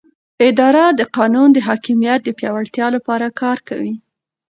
اداره د قانون د حاکمیت د پیاوړتیا لپاره کار کوي.